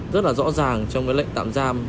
rất là rõ ràng trong cái lệnh tạm giam